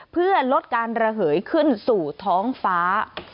เพื่อลดการระเหยขึ้นสู่ท้องฟ้า